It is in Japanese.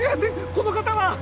この方は？